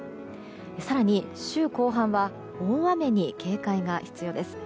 更に、週後半は大雨に警戒が必要です。